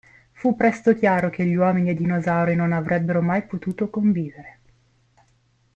Fu presto chiaro che gli uomini e i dinosauri non avrebbero mai potuto convivere.